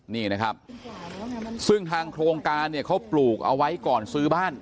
นี่นะครับซึ่งทางโครงการเนี่ยเขาปลูกเอาไว้ก่อนซื้อบ้าน